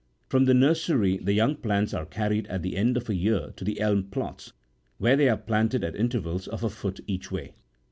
From the nursery the young plants are carried at the end of a year to the elm plots, where they are planted at inter vals of a foot each way.